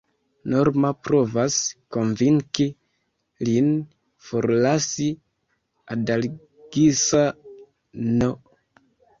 Norma provas konvinki lin forlasi Adalgisa-n.